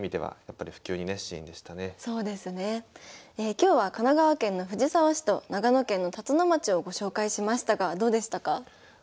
今日は神奈川県の藤沢市と長野県の辰野町をご紹介しましたがどうでしたか？